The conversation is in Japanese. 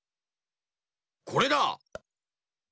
これだ！